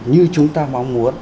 như chúng ta mong muốn